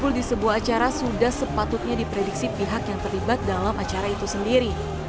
kumpul di sebuah acara sudah sepatutnya diprediksi pihak yang terlibat dalam acara itu sendiri